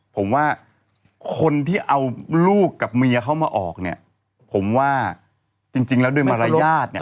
ผมว่าคนที่เอาลูกกับเมียเข้ามาออกผมว่าจริงแล้วด้วยมรายาท